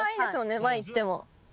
前いっても。